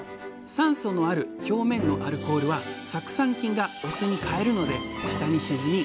酸素のある表面のアルコールは酢酸菌がお酢に変えるので下に沈み